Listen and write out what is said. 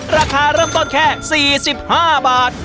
ราคาเริ่มต้นแค่๔๕บาท